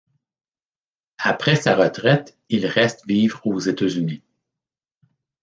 Après sa retraite, il reste vivre aux États-Unis.